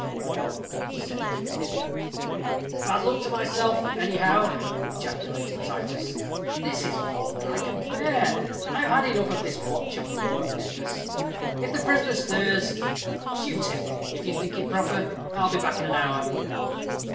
And off set Tim. "Bad luck to myself, anyhow," ejaculated Titus; "this is more than I can bear I've had enough of this watch and ward business if the prisoner stirs, shoot him, if you think proper I'll be back in an hour."